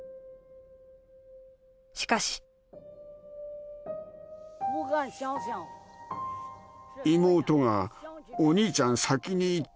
しかし妹が「お兄ちゃん先に行って」